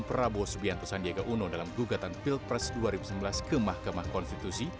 prabowo sandi dalam gugatan pilpres dua ribu sembilan belas ke mahkamah konstitusi